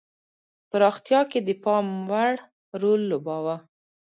پراختیا کې د پاموړ رول لوباوه.